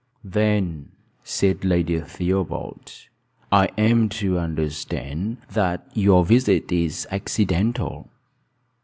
"Then," said Lady Theobald, "I am to understand that your visit is accidental."